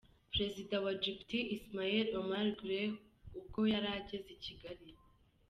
Perezida wa Djibouti, Ismaïl Omar Guelleh ubwo yari ageze i Kigali.